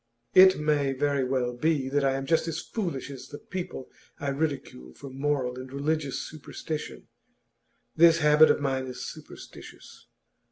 It may very well be that I am just as foolish as the people I ridicule for moral and religious superstition. This habit of mine is superstitious.